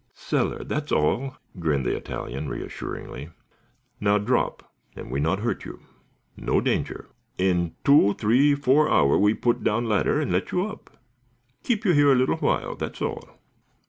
"Cellar, that's all," grinned the Italian, reassuringly. "Now, drop, and we not hurt you. No danger. In two, three, four hour we put down ladder and let you up. Keep you here little while; that's all."